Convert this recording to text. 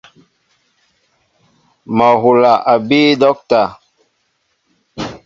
Mol hula a bii docta.